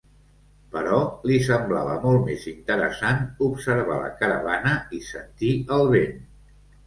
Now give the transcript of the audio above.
Però li semblava molt més interessant observar la caravana i sentir el vent.